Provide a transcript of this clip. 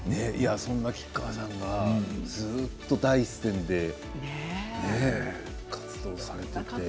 そんな吉川さんがずっと第一線で活動されて。